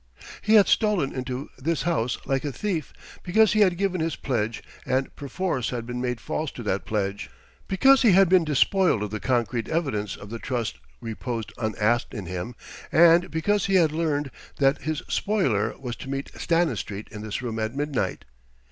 He had stolen into this house like a thief because he had given his pledge and perforce had been made false to that pledge, because he had been despoiled of the concrete evidence of the trust reposed unasked in him, and because he had learned that his spoiler was to meet Stanistreet in this room at midnight.